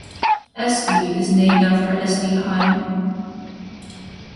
Este is named after Este Haim.